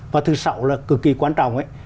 và thứ sáu là cực kỳ quan trọng